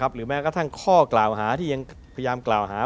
หรือแม้กระทั่งข้อกล่าวหาที่ยังพยายามกล่าวหา